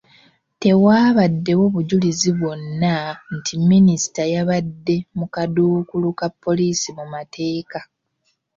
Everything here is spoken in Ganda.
Tewaabaddewo bujulizi bwonna nti minisita yabadde mu kaduukulu ka poliisi mu mateeka.